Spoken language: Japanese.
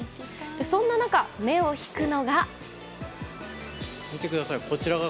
そんな中、目を引くのが。